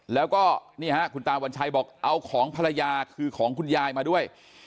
แล้วก็นี่ฮะคุณตาวัญชัยบอกเอาของภรรยาคือของคุณยายมาด้วย